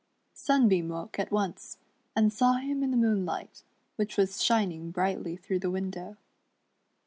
Sunbeam woke at once, and saw him in the moonlight, which was shining brightly through the window.